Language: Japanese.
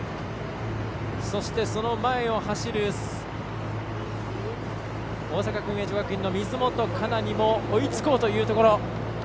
そして、その前を走る大阪薫英女学院の水本佳菜にも追いつこうというところ。